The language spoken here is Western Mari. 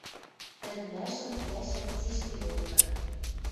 Ӹлӹмӓшӹм, пӓшӓм — цишти локта...